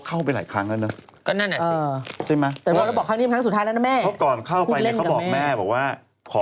ขอไปครั้งสุดท้ายนะแม่ห้าม